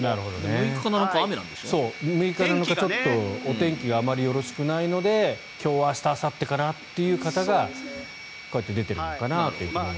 ６日、７日お天気があまりよろしくないので今日、明日、あさってかなという方がこうやって出ているのかなと。